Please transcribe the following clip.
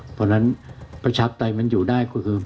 เพราะฉะนั้นประชาปไตยมันอยู่ได้ก็คือ